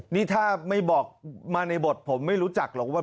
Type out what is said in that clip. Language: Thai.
นี่ถ้าไม่บอกมาในบทผมไม่รู้จักหรอกว่า